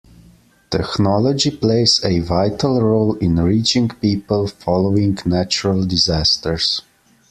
Technology plays a vital role in reaching people following natural disasters.